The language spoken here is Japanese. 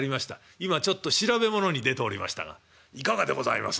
今ちょっと調べ物に出ておりましたがいかがでございます？